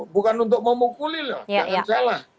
bukan untuk memukuli loh jangan salah